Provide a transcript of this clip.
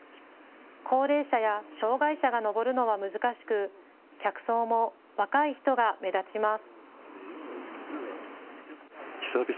高齢者や障害者が上るのは難しく客層も若い人が目立ちます。